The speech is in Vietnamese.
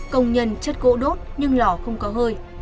công nhân chất gỗ đốt nhưng lò không có hơi